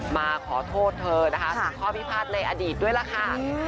มาขอโทษเธอนะคะถึงข้อพิพาทในอดีตด้วยล่ะค่ะ